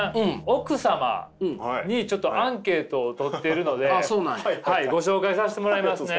奥様にちょっとアンケートを取ってるのでご紹介させてもらいますね。